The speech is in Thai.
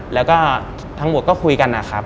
แล้วก็ทั้งหมดก็คุยกันนะครับ